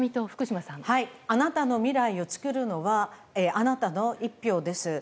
あなたの未来を作るのはあなたの１票です。